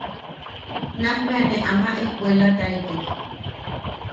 Nakbea ne ama ejkuuelataitek.